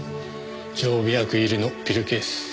常備薬入りのピルケース。